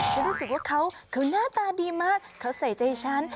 ฉันรู้สึกว่าเขาหน้าตาดีมากเขาใส่ใจฉัน